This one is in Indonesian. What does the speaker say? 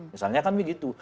misalnya kan begitu